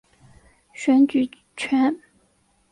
选举权。